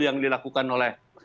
yang dilakukan oleh